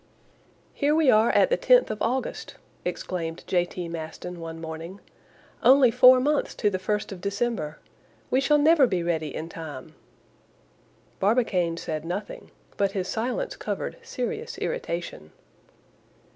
"Here we are at the 10th of August," exclaimed J. T. Maston one morning, "only four months to the 1st of December! We shall never be ready in time!" Barbicane said nothing, but his silence covered serious irritation.